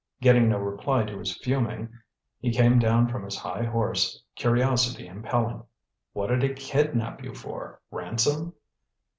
Getting no reply to his fuming, he came down from his high horse, curiosity impelling. "What'd he kidnap you for ransom?"